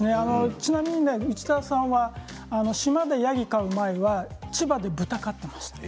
ちなみに内澤さんは島でヤギを飼う前は千葉で豚を飼っていました。